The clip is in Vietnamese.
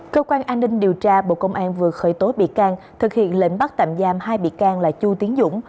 cơ quan an ninh điều tra bộ công an vừa khởi tố bị can thực hiện lệnh bắt tạm giam hai bị can là chu tiến dũng